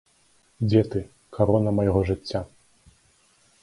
Дзе ты, карона майго жыцця?